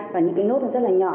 và những cái nốt nó rất là nhỏ